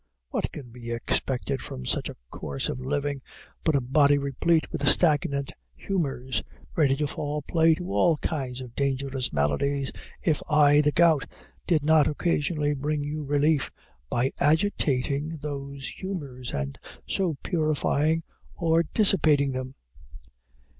What can be expected from such a course of living, but a body replete with stagnant humors, ready to fall prey to all kinds of dangerous maladies, if I, the Gout, did not occasionally bring you relief by agitating those humors, and so purifying or dissipating them?